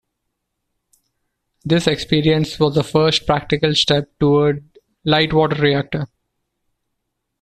This experience was the first practical step toward light-water reactor.